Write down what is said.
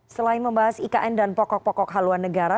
selain membahas ikn dan pokok pokok haluan negara